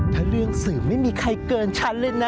ถ้าเรื่องสื่อไม่มีใครเกินฉันเลยนะ